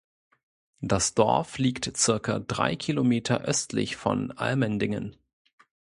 Das Dorf liegt circa drei Kilometer östlich von Allmendingen.